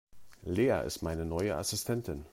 Lea ist meine neue Assistentin.